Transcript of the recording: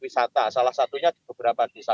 wisata salah satunya di beberapa desa